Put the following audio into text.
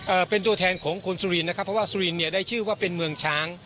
เป็นตัวแทนของคนสุรินนะครับเพราะว่าสุรินเนี่ยได้ชื่อว่าเป็นเมืองช้าง